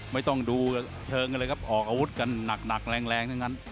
ไม่ต้องดูเชิงกันเลยครับออกอาวุธกันหนักแรงทั้งนั้น